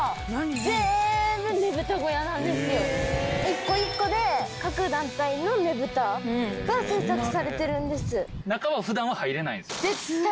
一個一個で各団体のねぶたが制作されてるんです。